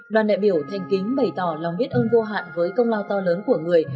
đoàn đại biểu thanh kính bày tỏ lòng biết ơn vô hạn với công lao to lớn của người